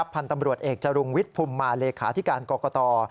พันธมรวชเอกจรุงวิทธิ์พุมมาเลขาธิการกรกฎอร์